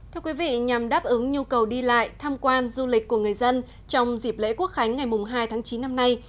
thưa quý vị nhằm đáp ứng nhu cầu đi lại tham quan du lịch của người dân trong dịp lễ quốc khánh ngày hai tháng chín năm nay